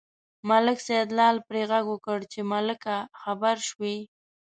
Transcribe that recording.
ملک سیدلال پرې غږ وکړ چې ملکه خبر شوې.